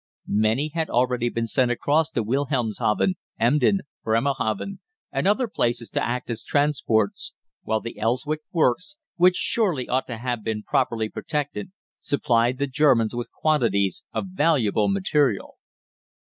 Many had already been sent across to Wilhelmshaven, Emden, Bremerhaven, and other places to act as transports, while the Elswick works which surely ought to have been properly protected supplied the Germans with quantities of valuable material.